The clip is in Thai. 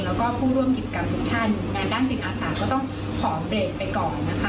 แล้วก็ผู้ร่วมกิจกรรมทุกท่านงานด้านจิตอาสาก็ต้องขอเบรกไปก่อนนะคะ